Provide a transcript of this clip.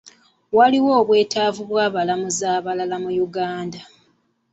Waliwo obwetaavu bw'abalamuzi abalala mu Uganda.